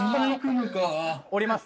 降ります。